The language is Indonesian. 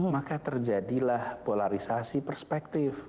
maka terjadilah polarisasi perspektif